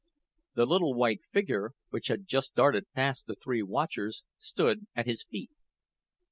The little white figure, which had just darted past the three watchers, stood at his feet.